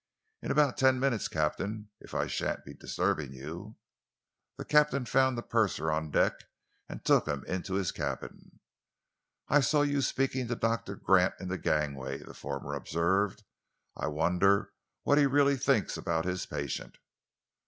In about ten minutes, Captain, if I shan't be disturbing you." The captain found the purser on deck and took him into his cabin. "I saw you speaking to Doctor Gant in the gangway," the former observed. "I wonder what he really thinks about his patient?"